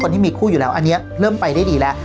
ที่มีคู่อยู่แล้วอันนี้เริ่มไปได้ดีแล้ว